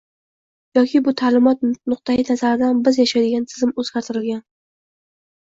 yoki bu ta’limot nuqtai nazaridan, biz yashayotgan tizim “o‘zgartirilgan”